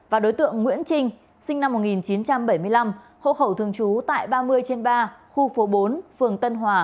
và đối tượng nguyễn trinh sinh năm một nghìn chín trăm bảy mươi năm hộ khẩu thường trú tại ba mươi trên ba khu phố bốn phường tân hòa